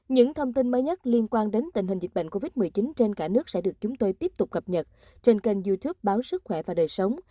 những thông tin mới nhất liên quan đến tình hình dịch bệnh covid một mươi chín trên cả nước sẽ được chúng tôi tiếp tục cập nhật trên kênh youtube báo sức khỏe và đời sống